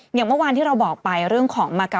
ทุกวันที่เราบอกไปเรื่องของมา๙๘๘๘